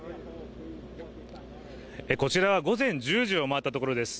こちらは午前１０時を回ったところです。